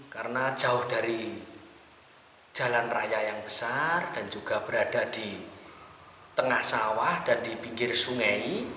karena jauh dari jalan raya yang besar dan juga berada di tengah sawah dan di pinggir sungai